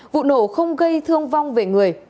vụ nổ không gây thương vong về người